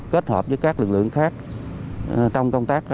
kết hợp với các lực lượng khác trong công tác